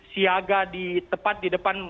siaga di tepat di depan